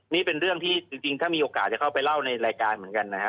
นี่เป็นเรื่องที่จริงถ้ามีโอกาสจะเข้าไปเล่าในรายการเหมือนกันนะครับ